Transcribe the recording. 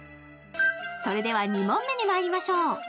それでは２問目にまいりましょう。